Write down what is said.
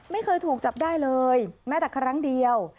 ไม่เคยถูกจับได้เลยแม้แต่ครั้งเดียว